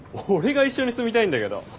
俺が一緒に住みたいんだけど。